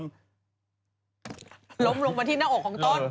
ล้มลงมาที่หน้าอกของต้น